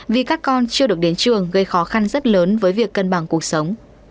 vì các con chưa được đến trường gây khó khăn rất lớn với việc cân bằng cuộc sống